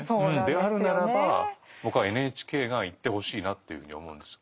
であるならば僕はＮＨＫが言ってほしいなというふうに思うんです。